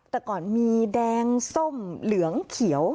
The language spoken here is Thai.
แต่ก่อนมีแดงส้มเหลืองเขียว